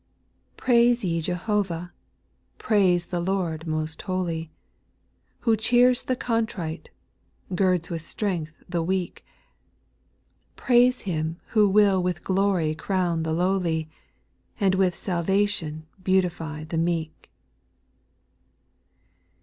"piiAISE ye Jehovah, praise the Lord most 1 holy, Who cheers the contrite, girds with strength the weak ; Praise Him who will with glory crown the lowly, And with salvation beautify the meek.